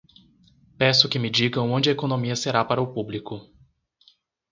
Peço que me digam onde a economia será para o público.